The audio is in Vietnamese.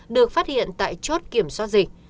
được phát hiện tại chốt kiểm soát dịch